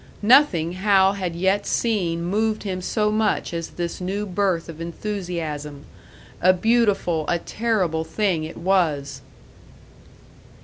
Nothing Hal had yet seen moved him so much as this new birth of enthusiasm. A beautiful, a terrible thing it was!